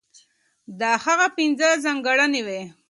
دا هغه پنځه ځانګړنې وې،